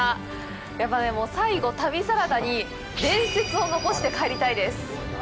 やっぱね、最後、旅サラダに伝説を残して帰りたいです。